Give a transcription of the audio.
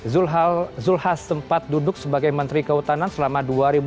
zulkifli hasan sempat duduk sebagai menteri kehutanan selama dua ribu dua belas